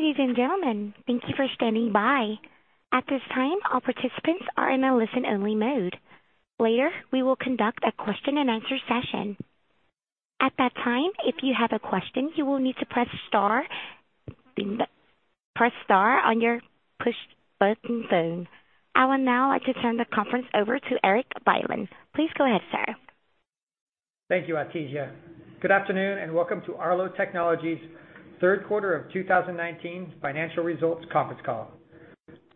Ladies and gentlemen, thank you for standing by. At this time, all participants are in a listen-only mode. Later, we will conduct a question and answer session. At that time, if you have a question, you will need to press star on your push button phone. I would now like to turn the conference over to Erik Bylin. Please go ahead, sir. Thank you, Atisia. Good afternoon, welcome to Arlo Technologies' third quarter of 2019 financial results conference call.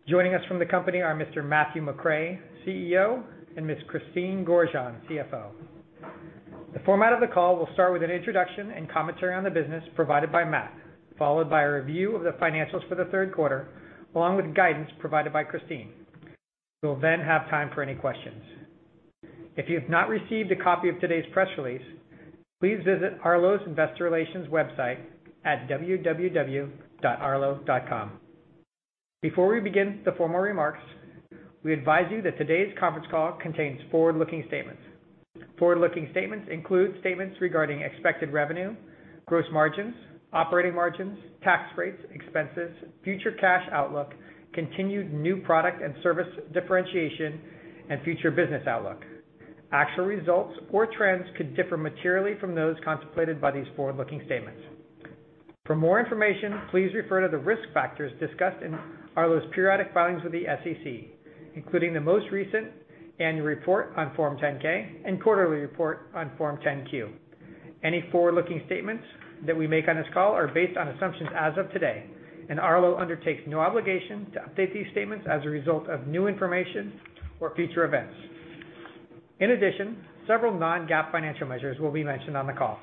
Joining us from the company are Mr. Matthew McRae, CEO, and Ms. Christine Gorjanc, CFO. The format of the call will start with an introduction and commentary on the business provided by Matt, followed by a review of the financials for the third quarter, along with guidance provided by Christine. We'll then have time for any questions. If you have not received a copy of today's press release, please visit Arlo's investor relations website at www.investor.arlo.com. Before we begin the formal remarks, we advise you that today's conference call contains forward-looking statements. Forward-looking statements include statements regarding expected revenue, gross margins, operating margins, tax rates, expenses, future cash outlook, continued new product and service differentiation, and future business outlook. Actual results or trends could differ materially from those contemplated by these forward-looking statements. For more information, please refer to the risk factors discussed in Arlo's periodic filings with the SEC, including the most recent annual report on Form 10-K and quarterly report on Form 10-Q. Any forward-looking statements that we make on this call are based on assumptions as of today, and Arlo undertakes no obligation to update these statements as a result of new information or future events. In addition, several non-GAAP financial measures will be mentioned on the call.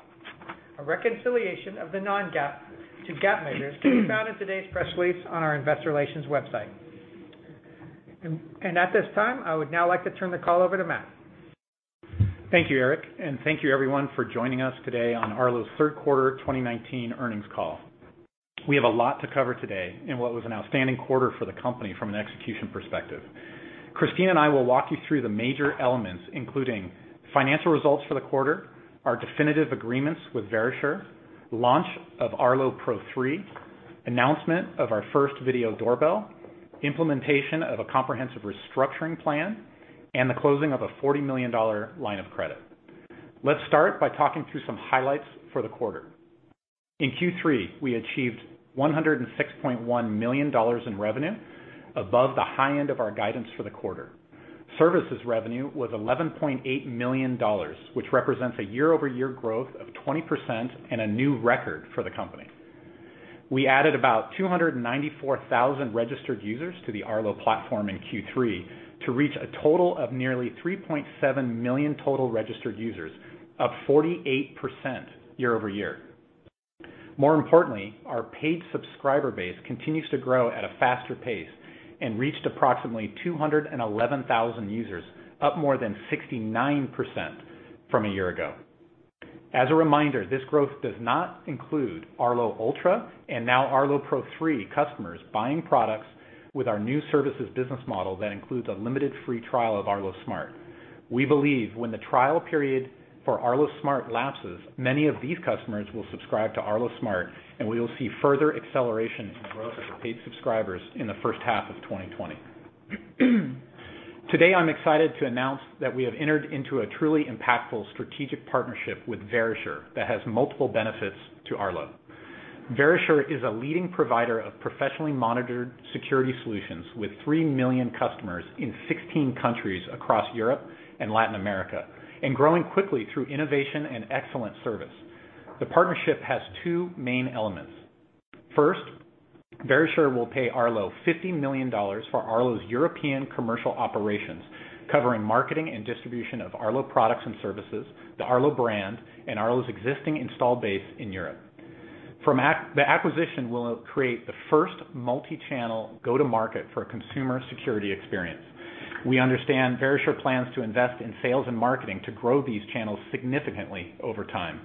A reconciliation of the non-GAAP to GAAP measures can be found in today's press release on our investor relations website. At this time, I would now like to turn the call over to Matt. Thank you, Erik, and thank you, everyone, for joining us today on Arlo's third quarter 2019 earnings call. We have a lot to cover today in what was an outstanding quarter for the company from an execution perspective. Christine and I will walk you through the major elements, including financial results for the quarter, our definitive agreements with Verisure, launch of Arlo Pro 3, announcement of our first video doorbell, implementation of a comprehensive restructuring plan, and the closing of a $40 million line of credit. Let's start by talking through some highlights for the quarter. In Q3, we achieved $106.1 million in revenue, above the high end of our guidance for the quarter. Services revenue was $11.8 million, which represents a year-over-year growth of 20% and a new record for the company. We added about 294,000 registered users to the Arlo platform in Q3 to reach a total of nearly 3.7 million total registered users, up 48% year-over-year. More importantly, our paid subscriber base continues to grow at a faster pace and reached approximately 211,000 users, up more than 69% from a year ago. As a reminder, this growth does not include Arlo Ultra and now Arlo Pro 3 customers buying products with our new services business model that includes a limited free trial of Arlo Smart. We believe when the trial period for Arlo Smart lapses, many of these customers will subscribe to Arlo Smart, and we will see further acceleration in growth of paid subscribers in the first half of 2020. Today, I'm excited to announce that we have entered into a truly impactful strategic partnership with Verisure that has multiple benefits to Arlo. Verisure is a leading provider of professionally monitored security solutions with 3 million customers in 16 countries across Europe and Latin America, and growing quickly through innovation and excellent service. The partnership has two main elements. First, Verisure will pay Arlo $50 million for Arlo's European commercial operations, covering marketing and distribution of Arlo products and services, the Arlo brand, and Arlo's existing install base in Europe. The acquisition will create the first multi-channel go-to-market for a consumer security experience. We understand Verisure plans to invest in sales and marketing to grow these channels significantly over time.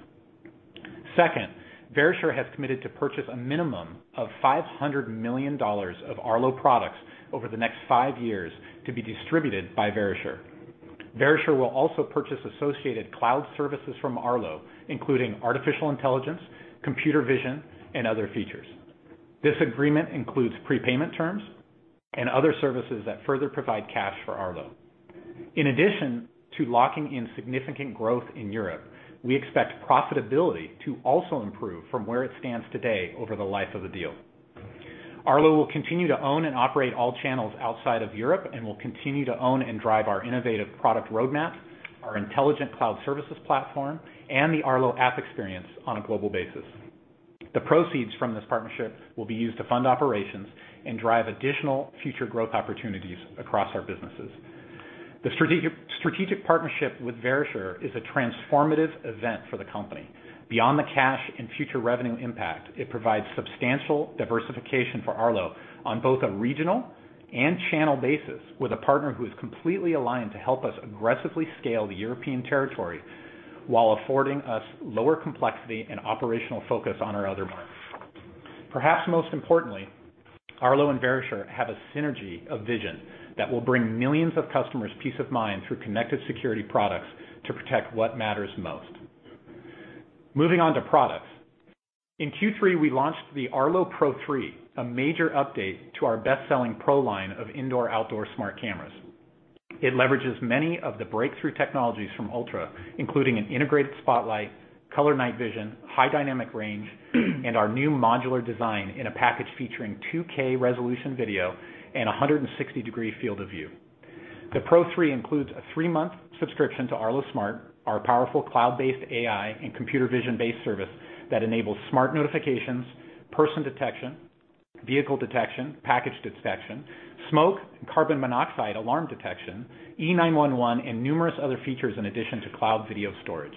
Second, Verisure has committed to purchase a minimum of $500 million of Arlo products over the next five years to be distributed by Verisure. Verisure will also purchase associated cloud services from Arlo, including artificial intelligence, computer vision, and other features. This agreement includes prepayment terms and other services that further provide cash for Arlo. In addition to locking in significant growth in Europe, we expect profitability to also improve from where it stands today over the life of the deal. Arlo will continue to own and operate all channels outside of Europe and will continue to own and drive our innovative product roadmap, our intelligent cloud services platform, and the Arlo app experience on a global basis. The proceeds from this partnership will be used to fund operations and drive additional future growth opportunities across our businesses. The strategic partnership with Verisure is a transformative event for the company. Beyond the cash and future revenue impact, it provides substantial diversification for Arlo on both a regional and channel basis with a partner who is completely aligned to help us aggressively scale the European territory while affording us lower complexity and operational focus on our other markets. Perhaps most importantly, Arlo and Verisure have a synergy of vision that will bring millions of customers peace of mind through connected security products to protect what matters most. Moving on to products. In Q3, we launched the Arlo Pro 3, a major update to our best-selling Pro line of indoor/outdoor smart cameras. It leverages many of the breakthrough technologies from Ultra, including an integrated spotlight, color night vision, high dynamic range, and our new modular design in a package featuring 2K resolution video and 160-degree field of view. The Pro 3 includes a three-month subscription to Arlo Smart, our powerful cloud-based AI and computer vision-based service that enables smart notifications, person detection, vehicle detection, package detection, smoke and carbon monoxide alarm detection, E911, and numerous other features in addition to cloud video storage.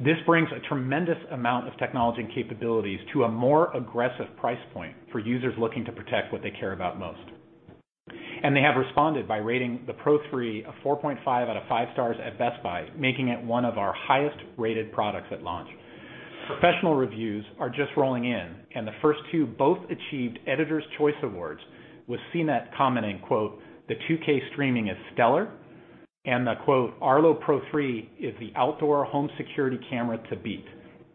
This brings a tremendous amount of technology and capabilities to a more aggressive price point for users looking to protect what they care about most. They have responded by rating the Pro 3 a 4.5 out of five stars at Best Buy, making it one of our highest-rated products at launch. Professional reviews are just rolling in, the first two both achieved Editors' Choice Awards, with CNET commenting, quote, "The 2K streaming is stellar," and the, quote, "Arlo Pro 3 is the outdoor home security camera to beat,"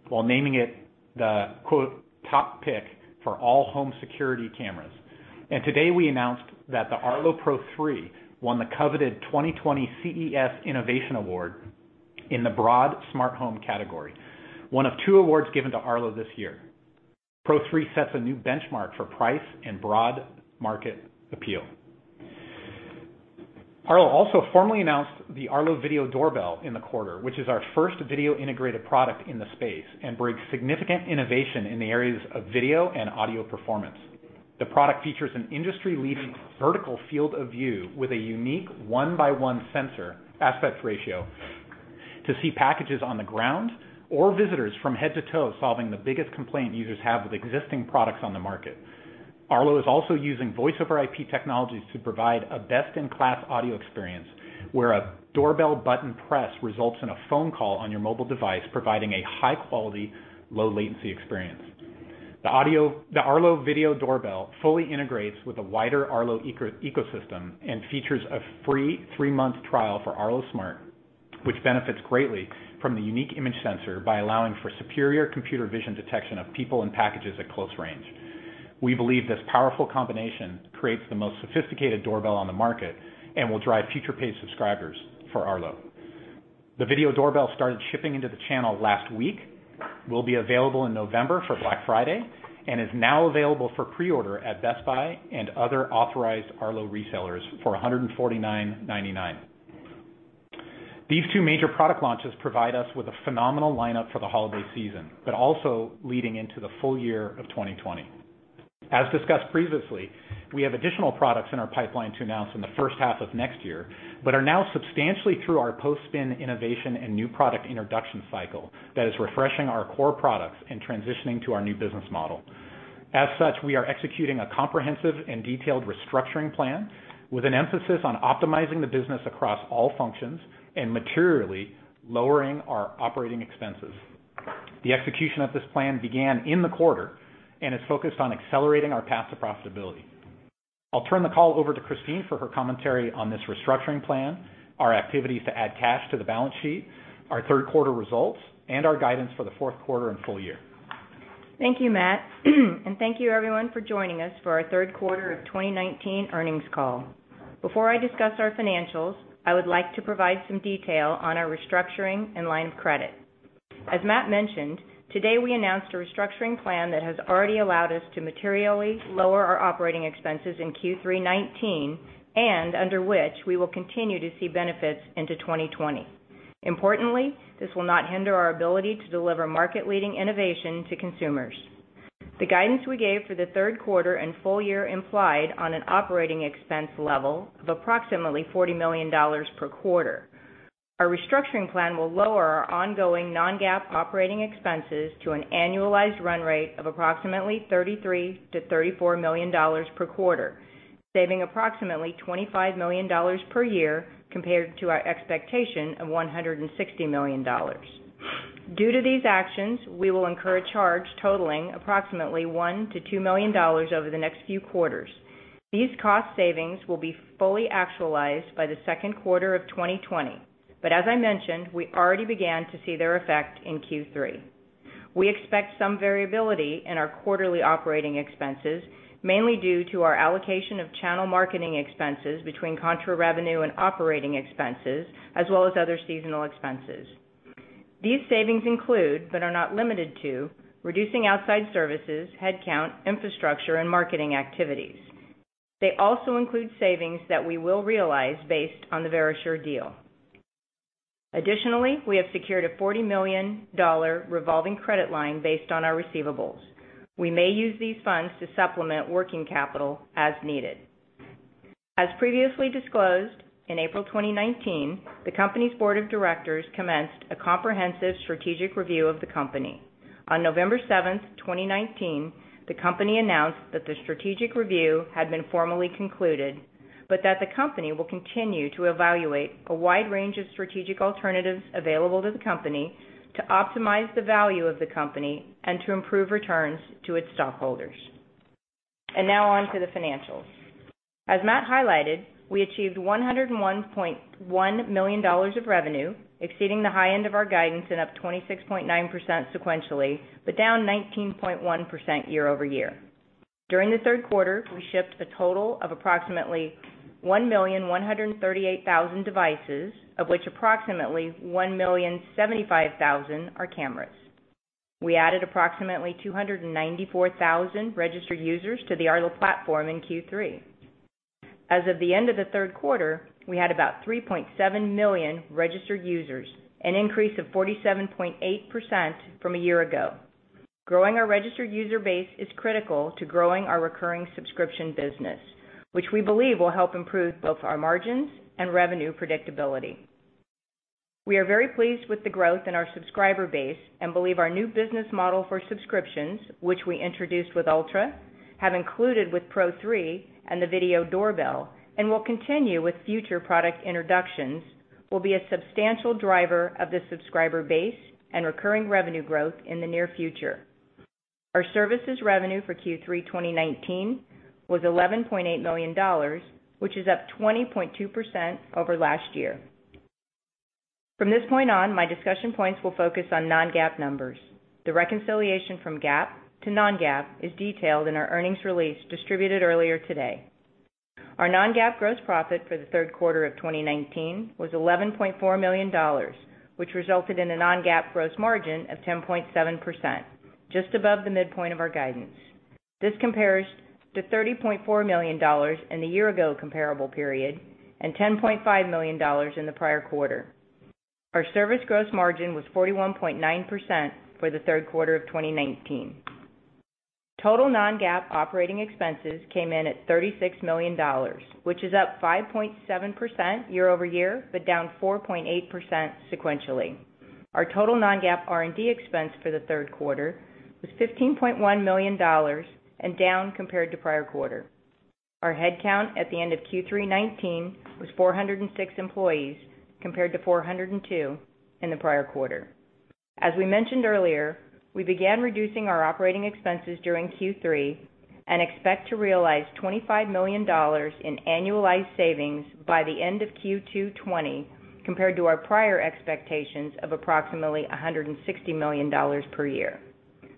while naming it the, quote, "top pick for all home security cameras." Today, we announced that the Arlo Pro 3 won the coveted 2020 CES Innovation Award in the broad smart home category, one of two awards given to Arlo this year. Pro 3 sets a new benchmark for price and broad market appeal. Arlo also formally announced the Arlo Video Doorbell in the quarter, which is our first video-integrated product in the space and brings significant innovation in the areas of video and audio performance. The product features an industry-leading vertical field of view with a unique 1 by 1 sensor aspect ratio to see packages on the ground or visitors from head to toe, solving the biggest complaint users have with existing products on the market. Arlo is also using Voice over IP technologies to provide a best-in-class audio experience, where a doorbell button press results in a phone call on your mobile device, providing a high-quality, low-latency experience. The Arlo Video Doorbell fully integrates with the wider Arlo ecosystem and features a free three-month trial for Arlo Smart, which benefits greatly from the unique image sensor by allowing for superior computer vision detection of people and packages at close range. We believe this powerful combination creates the most sophisticated doorbell on the market and will drive future paid subscribers for Arlo. The Video Doorbell started shipping into the channel last week, will be available in November for Black Friday, and is now available for pre-order at Best Buy and other authorized Arlo resellers for $149.99. These two major product launches provide us with a phenomenal lineup for the holiday season, but also leading into the full year of 2020. As discussed previously, we have additional products in our pipeline to announce in the first half of next year, but are now substantially through our post-spin innovation and new product introduction cycle that is refreshing our core products and transitioning to our new business model. As such, we are executing a comprehensive and detailed restructuring plan with an emphasis on optimizing the business across all functions and materially lowering our operating expenses. The execution of this plan began in the quarter and is focused on accelerating our path to profitability. I'll turn the call over to Christine for her commentary on this restructuring plan, our activities to add cash to the balance sheet, our third quarter results, and our guidance for the fourth quarter and full year. Thank you, Matt, and thank you everyone for joining us for our third quarter of 2019 earnings call. Before I discuss our financials, I would like to provide some detail on our restructuring and line of credit. As Matt mentioned, today we announced a restructuring plan that has already allowed us to materially lower our operating expenses in Q3 2019 and under which we will continue to see benefits into 2020. Importantly, this will not hinder our ability to deliver market-leading innovation to consumers. The guidance we gave for the third quarter and full year implied on an operating expense level of approximately $40 million per quarter. Our restructuring plan will lower our ongoing non-GAAP operating expenses to an annualized run rate of approximately $33 million-$34 million per quarter, saving approximately $25 million per year compared to our expectation of $160 million. Due to these actions, we will incur a charge totaling approximately $1 million-$2 million over the next few quarters. These cost savings will be fully actualized by the second quarter of 2020, but as I mentioned, we already began to see their effect in Q3. We expect some variability in our quarterly operating expenses, mainly due to our allocation of channel marketing expenses between contra revenue and operating expenses, as well as other seasonal expenses. These savings include, but are not limited to, reducing outside services, headcount, infrastructure, and marketing activities. They also include savings that we will realize based on the Verisure deal. Additionally, we have secured a $40 million revolving credit line based on our receivables. We may use these funds to supplement working capital as needed. As previously disclosed, in April 2019, the company's board of directors commenced a comprehensive strategic review of the company. On November 7th, 2019, the company announced that the strategic review had been formally concluded, but that the company will continue to evaluate a wide range of strategic alternatives available to the company to optimize the value of the company and to improve returns to its stockholders. Now on to the financials. As Matt highlighted, we achieved $101.1 million of revenue, exceeding the high end of our guidance and up 26.9% sequentially, but down 19.1% year-over-year. During the third quarter, we shipped a total of approximately 1,138,000 devices, of which approximately 1,075,000 are cameras. We added approximately 294,000 registered users to the Arlo platform in Q3. As of the end of the third quarter, we had about 3.7 million registered users, an increase of 47.8% from a year ago. Growing our registered user base is critical to growing our recurring subscription business, which we believe will help improve both our margins and revenue predictability. We are very pleased with the growth in our subscriber base and believe our new business model for subscriptions, which we introduced with Arlo Ultra, have included with Arlo Pro 3 and the Arlo Video Doorbell, and will continue with future product introductions, will be a substantial driver of the subscriber base and recurring revenue growth in the near future. Our services revenue for Q3 2019 was $11.8 million, which is up 20.2% over last year. From this point on, my discussion points will focus on non-GAAP numbers. The reconciliation from GAAP to non-GAAP is detailed in our earnings release distributed earlier today. Our non-GAAP gross profit for the third quarter of 2019 was $11.4 million, which resulted in a non-GAAP gross margin of 10.7%, just above the midpoint of our guidance. This compares to $30.4 million in the year-ago comparable period and $10.5 million in the prior quarter. Our service gross margin was 41.9% for the third quarter of 2019. Total non-GAAP operating expenses came in at $36 million, which is up 5.7% year-over-year, but down 4.8% sequentially. Our total non-GAAP R&D expense for the third quarter was $15.1 million and down compared to prior quarter. Our head count at the end of Q3 2019 was 406 employees, compared to 402 in the prior quarter. As we mentioned earlier, we began reducing our operating expenses during Q3 and expect to realize $25 million in annualized savings by the end of Q2 2020, compared to our prior expectations of approximately $160 million per year.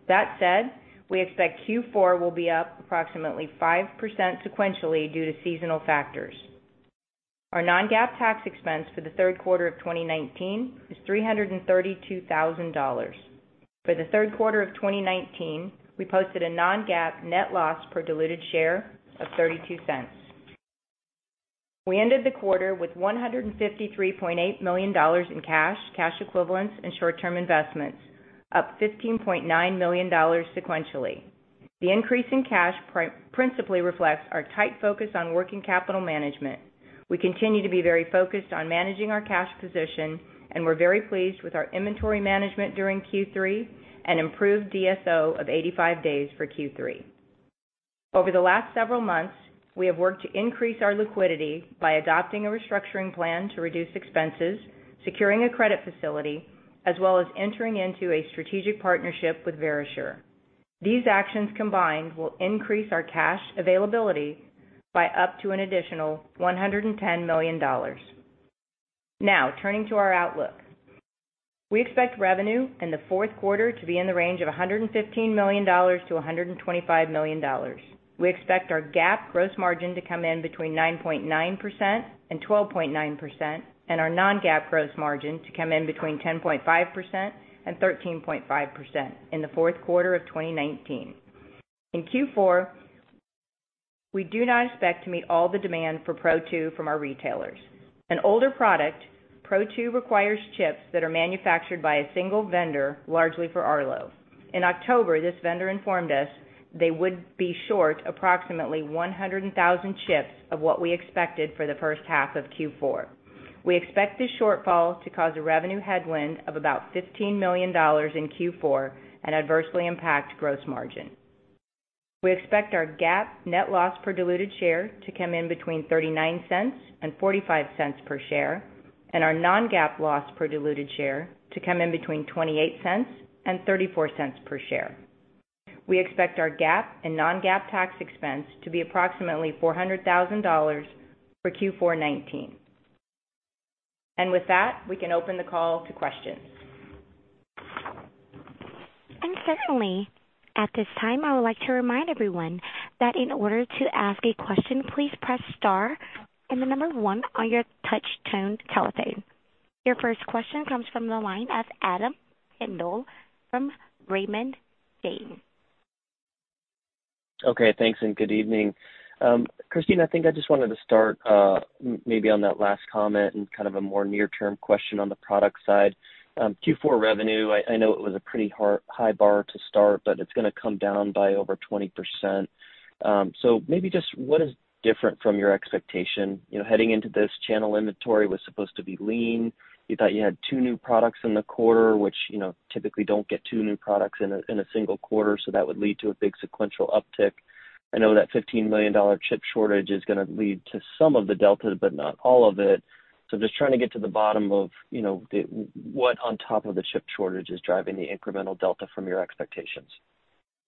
That said, we expect Q4 will be up approximately 5% sequentially due to seasonal factors. Our non-GAAP tax expense for the third quarter of 2019 is $332,000. For the third quarter of 2019, we posted a non-GAAP net loss per diluted share of $0.32. We ended the quarter with $153.8 million in cash equivalents, and short-term investments, up $15.9 million sequentially. The increase in cash principally reflects our tight focus on working capital management. We continue to be very focused on managing our cash position, and we're very pleased with our inventory management during Q3 and improved DSO of 85 days for Q3. Over the last several months, we have worked to increase our liquidity by adopting a restructuring plan to reduce expenses, securing a credit facility, as well as entering into a strategic partnership with Verisure. These actions combined will increase our cash availability by up to an additional $110 million. We expect revenue in the fourth quarter to be in the range of $115 million to $125 million. We expect our GAAP gross margin to come in between 9.9% and 12.9%, and our non-GAAP gross margin to come in between 10.5% and 13.5% in the fourth quarter of 2019. In Q4, we do not expect to meet all the demand for Pro 2 from our retailers. An older product, Pro 2 requires chips that are manufactured by a single vendor, largely for Arlo. In October, this vendor informed us they would be short approximately 100,000 chips of what we expected for the first half of Q4. We expect this shortfall to cause a revenue headwind of about $15 million in Q4 and adversely impact gross margin. We expect our GAAP net loss per diluted share to come in between $0.39 and $0.45 per share, and our non-GAAP loss per diluted share to come in between $0.28 and $0.34 per share. We expect our GAAP and non-GAAP tax expense to be approximately $400,000 for Q4 2019. With that, we can open the call to questions. Certainly, at this time, I would like to remind everyone that in order to ask a question, please press star and number 1 on your touch tone telephone. Your first question comes from the line of Adam Tindle from Raymond James. Okay. Thanks, and good evening. Christine, I think I just wanted to start maybe on that last comment and kind of a more near-term question on the product side. Q4 revenue, I know it was a pretty high bar to start, but it's going to come down by over 20%. Maybe just what is different from your expectation? Heading into this, channel inventory was supposed to be lean. You thought you had two new products in the quarter, which typically don't get two new products in a single quarter, so that would lead to a big sequential uptick. I know that $15 million chip shortage is going to lead to some of the delta, but not all of it. Just trying to get to the bottom of what on top of the chip shortage is driving the incremental delta from your expectations?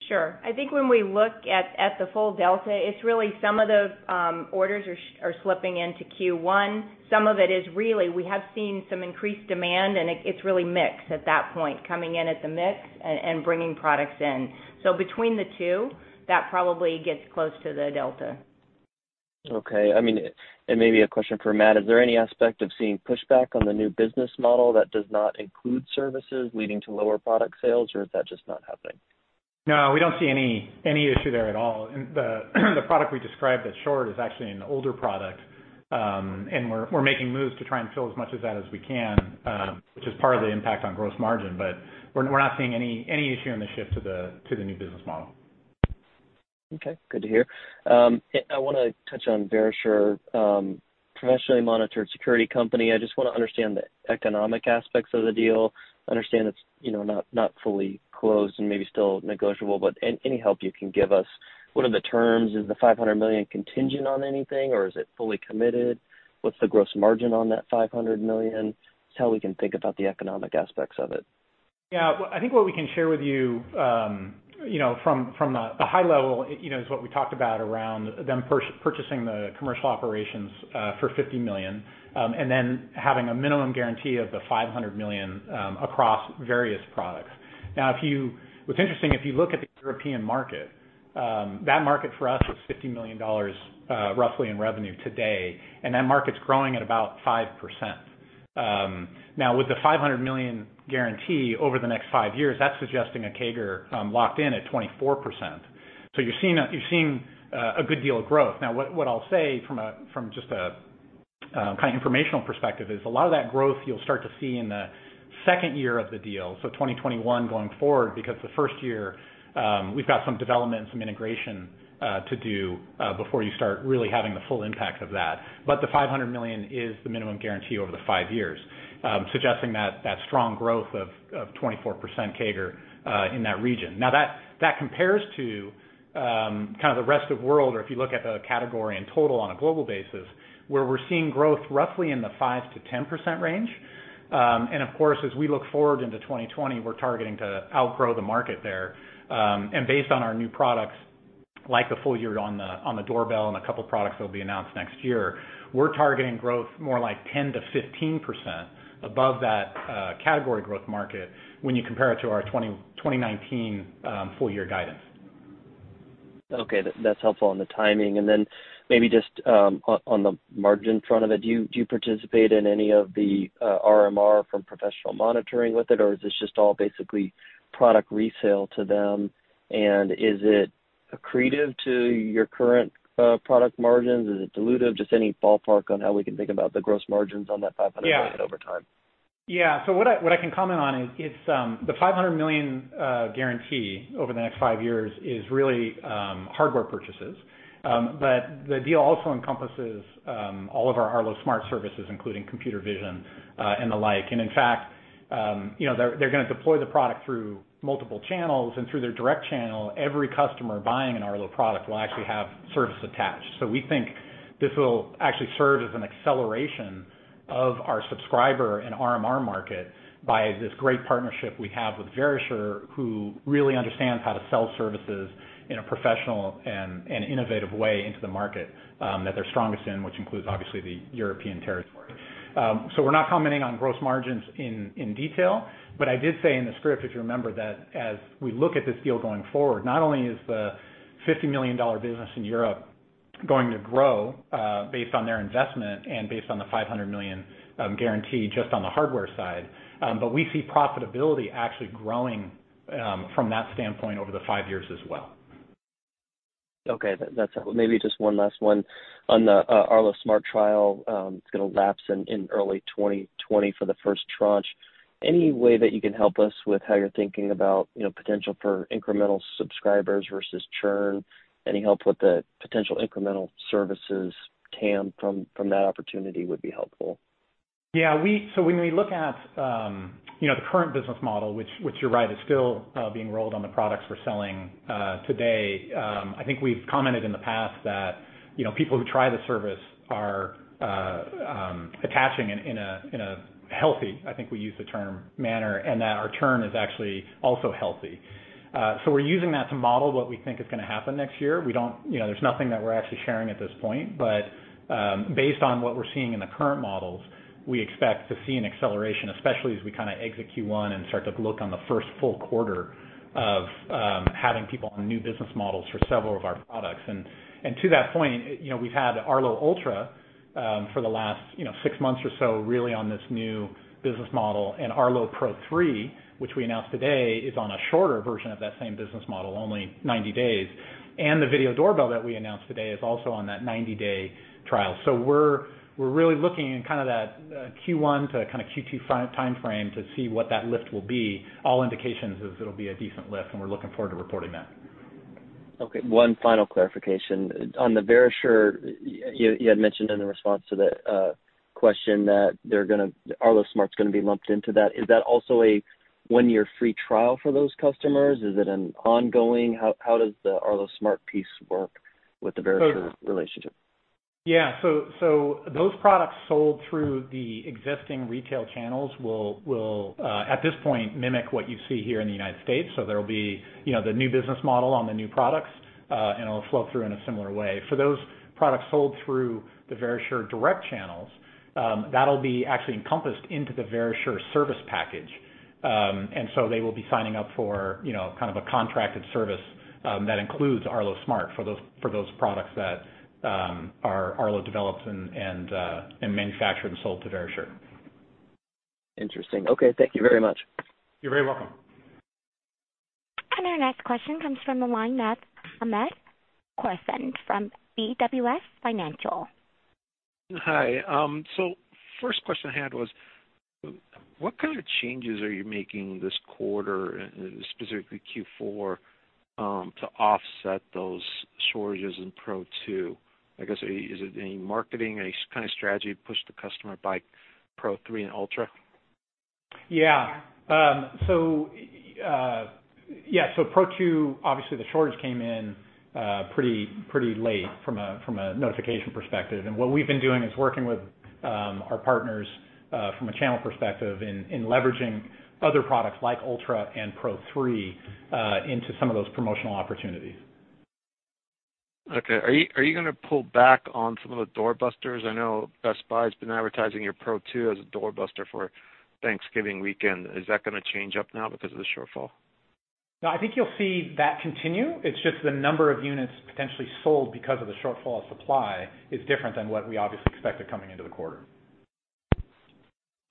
Sure. I think when we look at the full delta, it's really some of the orders are slipping into Q1. Some of it is really, we have seen some increased demand, and it's really mixed at that point, coming in at the mix and bringing products in. Between the two, that probably gets close to the delta. Okay. Maybe a question for Matt, is there any aspect of seeing pushback on the new business model that does not include services leading to lower product sales, or is that just not happening? No, we don't see any issue there at all. The product we described as short is actually an older product, and we're making moves to try and fill as much of that as we can, which is part of the impact on gross margin. We're not seeing any issue in the shift to the new business model. Okay, good to hear. I want to touch on Verisure, professionally monitored security company. I just want to understand the economic aspects of the deal. I understand it's not fully closed and maybe still negotiable, but any help you can give us. What are the terms? Is the $500 million contingent on anything, or is it fully committed? What's the gross margin on that $500 million? Just how we can think about the economic aspects of it. I think what we can share with you, from the high level is what we talked about around them purchasing the commercial operations for $50 million, and then having a minimum guarantee of the $500 million across various products. Now, what's interesting, if you look at the European market, that market for us is $50 million roughly in revenue today, and that market's growing at about 5%. Now with the $500 million guarantee over the next five years, that's suggesting a CAGR locked in at 24%. You're seeing a good deal of growth. Now what I'll say from just a kind of informational perspective is a lot of that growth you'll start to see in the second year of the deal, 2021 going forward, because the first year, we've got some development, some integration to do before you start really having the full impact of that. The $500 million is the minimum guarantee over the 5 years, suggesting that strong growth of 24% CAGR in that region. That compares to kind of the rest of world or if you look at the category in total on a global basis, where we're seeing growth roughly in the 5%-10% range. Of course, as we look forward into 2020, we're targeting to outgrow the market there. Based on our new products, like the full year on the Doorbell and a couple products that will be announced next year, we're targeting growth more like 10%-15% above that category growth market when you compare it to our 2019 full year guidance. Okay. That's helpful on the timing. Then maybe just on the margin front of it, do you participate in any of the RMR from professional monitoring with it, or is this just all basically product resale to them? Is it accretive to your current product margins? Is it dilutive? Just any ballpark on how we can think about the gross margins on that $500 million over time. Yeah. What I can comment on is the $500 million guarantee over the next 5 years is really hardware purchases. The deal also encompasses all of our Arlo Smart services, including computer vision and the like. In fact, they're going to deploy the product through multiple channels and through their direct channel, every customer buying an Arlo product will actually have service attached. We think this will actually serve as an acceleration of our subscriber and RMR market by this great partnership we have with Verisure, who really understands how to sell services in a professional and an innovative way into the market that they're strongest in, which includes obviously the European territory. We're not commenting on gross margins in detail, but I did say in the script, if you remember, that as we look at this deal going forward, not only is the $50 million business in Europe going to grow based on their investment and based on the $500 million guarantee just on the hardware side, but we see profitability actually growing from that standpoint over the five years as well. Okay. That's helpful. Maybe just one last one on the Arlo Smart trial. It's going to lapse in early 2020 for the first tranche. Any way that you can help us with how you're thinking about potential for incremental subscribers versus churn? Any help with the potential incremental services TAM from that opportunity would be helpful. When we look at the current business model, which you're right, is still being rolled on the products we're selling today, I think we've commented in the past that people who try the service are attaching in a healthy, I think we use the term, manner, and that our churn is actually also healthy. We're using that to model what we think is going to happen next year. There's nothing that we're actually sharing at this point, but based on what we're seeing in the current models, we expect to see an acceleration, especially as we kind of exit Q1 and start to look on the first full quarter of having people on new business models for several of our products. To that point, we've had Arlo Ultra for the last six months or so really on this new business model and Arlo Pro 3, which we announced today, is on a shorter version of that same business model, only 90 days. The video doorbell that we announced today is also on that 90-day trial. We're really looking in kind of that Q1 to Q2 timeframe to see what that lift will be. All indications is it'll be a decent lift, and we're looking forward to reporting that. Okay, one final clarification. On the Verisure, you had mentioned in the response to the question that Arlo Smart's going to be lumped into that. Is that also a one-year free trial for those customers? Is it an ongoing, how does the Arlo Smart piece work with the Verisure relationship? Those products sold through the existing retail channels will, at this point, mimic what you see here in the United States. There'll be the new business model on the new products, and it'll flow through in a similar way. For those products sold through the Verisure direct channels, that'll be actually encompassed into the Verisure service package. They will be signing up for kind of a contracted service that includes Arlo Smart for those products that are Arlo developed and manufactured and sold to Verisure. Interesting. Okay. Thank you very much. You're very welcome. Our next question comes from the line of Hamed Khorsand from BWS Financial. Hi. First question I had was, what kind of changes are you making this quarter, specifically Q4, to offset those shortages in Pro 2? I guess, is it any marketing, any kind of strategy to push the customer to buy Pro 3 and Ultra? Yeah. Pro 2, obviously the shortage came in pretty late from a notification perspective, and what we've been doing is working with our partners, from a channel perspective, in leveraging other products like Ultra and Pro 3 into some of those promotional opportunities. Okay. Are you going to pull back on some of the doorbusters? I know Best Buy's been advertising your Pro 2 as a doorbuster for Thanksgiving weekend. Is that going to change up now because of the shortfall? No, I think you'll see that continue. It's just the number of units potentially sold because of the shortfall of supply is different than what we obviously expected coming into the quarter.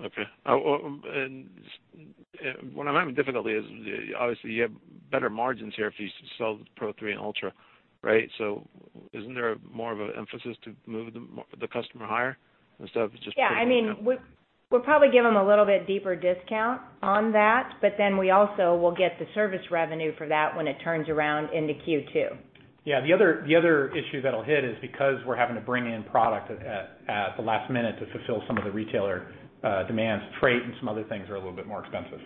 Okay. What I'm having difficulty is, obviously, you have better margins here if you sell the Pro 3 and Ultra, right? Isn't there more of an emphasis to move the customer higher instead of just. Yeah, we'll probably give them a little bit deeper discount on that, but then we also will get the service revenue for that when it turns around into Q2. Yeah, the other issue that'll hit is because we're having to bring in product at the last minute to fulfill some of the retailer demands, freight and some other things are a little bit more expensive.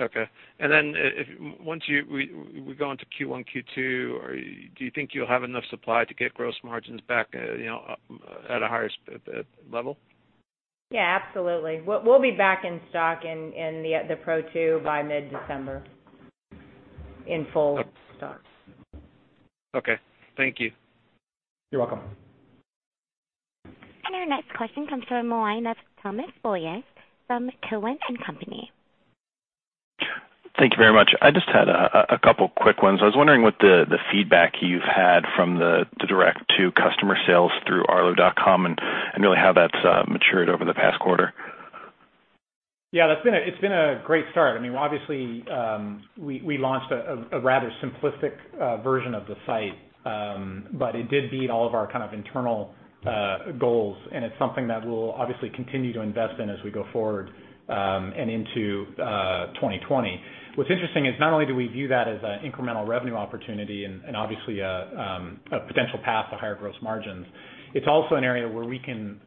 Okay. Then, once we go into Q1, Q2, do you think you'll have enough supply to get gross margins back at a higher level? Yeah, absolutely. We'll be back in stock in the Pro 2 by mid-December, in full stock. Okay. Thank you. You're welcome. Our next question comes from the line of Thomas Boyes from Cowen and Company. Thank you very much. I just had a couple quick ones. I was wondering what the feedback you've had from the direct-to-customer sales through investor.arlo.com, and really how that's matured over the past quarter. Yeah, it's been a great start. We launched a rather simplistic version of the site, but it did beat all of our internal goals, and it's something that we'll obviously continue to invest in as we go forward and into 2020. What's interesting is not only do we view that as an incremental revenue opportunity and obviously a potential path to higher gross margins, it's also an area where we can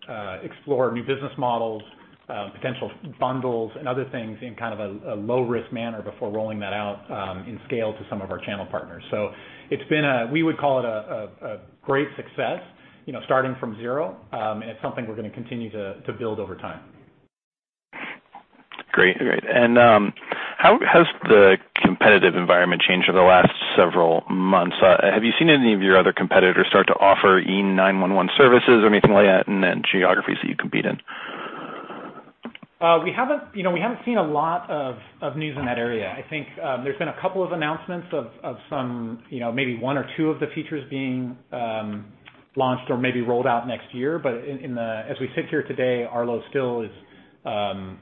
explore new business models, potential bundles, and other things in kind of a low-risk manner before rolling that out in scale to some of our channel partners. We would call it a great success, starting from zero, and it's something we're going to continue to build over time. Great. How has the competitive environment changed over the last several months? Have you seen any of your other competitors start to offer E911 services or anything like that in the geographies that you compete in? We haven't seen a lot of news in that area. I think there's been a couple of announcements of maybe one or two of the features being launched or maybe rolled out next year. As we sit here today, Arlo still is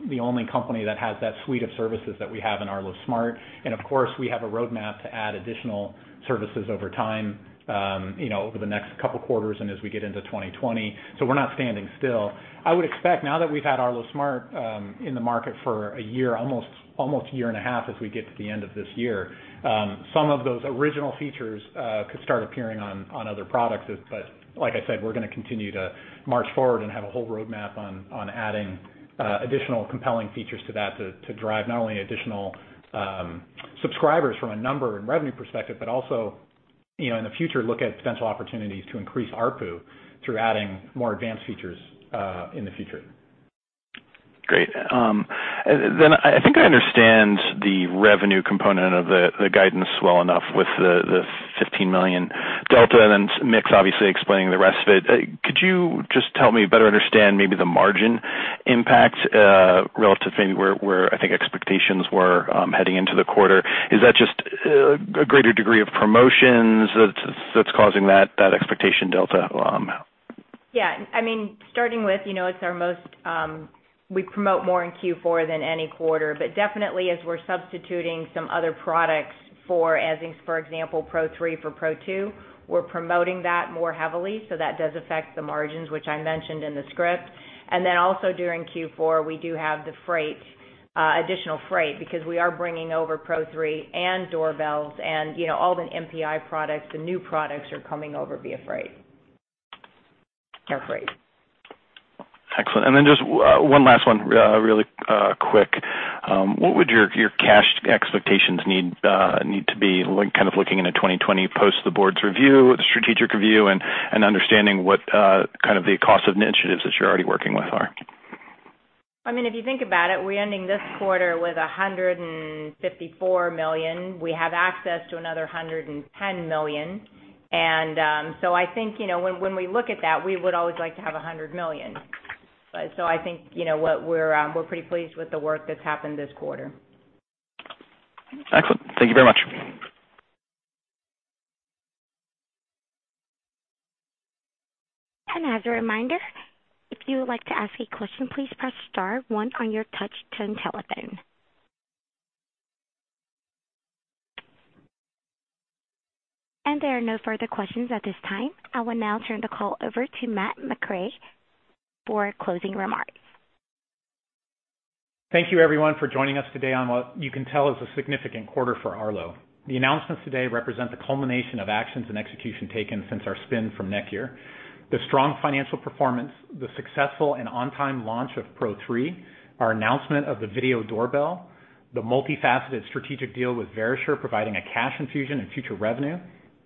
the only company that has that suite of services that we have in Arlo Smart. Of course, we have a roadmap to add additional services over time, over the next couple quarters and as we get into 2020. We're not standing still. I would expect now that we've had Arlo Smart in the market for a year, almost a year and a half as we get to the end of this year, some of those original features could start appearing on other products. Like I said, we're going to continue to march forward and have a whole roadmap on adding additional compelling features to that to drive not only additional subscribers from a number and revenue perspective, but also in the future, look at potential opportunities to increase ARPU through adding more advanced features in the future. Great. I think I understand the revenue component of the guidance well enough with the $15 million delta. Mix obviously explaining the rest of it. Could you just help me better understand maybe the margin impact, relative maybe where I think expectations were heading into the quarter? Is that just a greater degree of promotions that's causing that expectation delta? Yeah. Starting with, we promote more in Q4 than any quarter. Definitely as we're substituting some other products for example, Pro 3 for Pro 2, we're promoting that more heavily, so that does affect the margins, which I mentioned in the script. Then also during Q4, we do have the freight, additional freight, because we are bringing over Pro 3 and doorbells and all the NPI products, the new products are coming over via freight. Excellent. Just one last one really quick. What would your cash expectations need to be looking into 2020 post the board's review, the strategic review, and understanding what the cost of initiatives that you're already working with are? If you think about it, we're ending this quarter with $154 million. We have access to another $110 million. I think, when we look at that, we would always like to have $100 million. I think we're pretty pleased with the work that's happened this quarter. Excellent. Thank you very much. As a reminder, if you would like to ask a question, please press star one on your touch-tone telephone. There are no further questions at this time. I will now turn the call over to Matt McRae for closing remarks. Thank you everyone for joining us today on what you can tell is a significant quarter for Arlo. The announcements today represent the culmination of actions and execution taken since our spin from NETGEAR. The strong financial performance, the successful and on-time launch of Pro 3, our announcement of the Video Doorbell, the multifaceted strategic deal with Verisure providing a cash infusion and future revenue,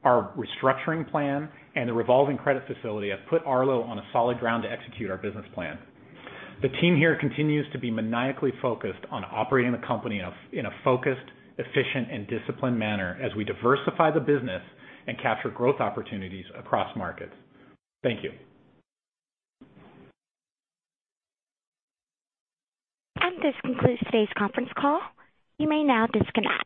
our restructuring plan, and the revolving credit facility have put Arlo on a solid ground to execute our business plan. The team here continues to be maniacally focused on operating the company in a focused, efficient, and disciplined manner as we diversify the business and capture growth opportunities across markets. Thank you. This concludes today's conference call. You may now disconnect.